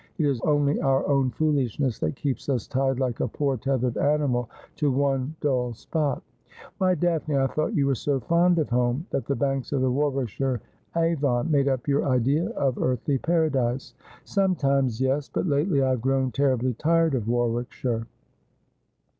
It is only our own foolishness that keeps us tied, like a poor tethered animal, to one dull spot.' ' Why, Daphne, I thought you were so fond of home, that the banks of the Warwickshire Avon made up your idea of earthly paradise !'' Sometimes, yes. But lately I have grown terribly tired of Warwickshire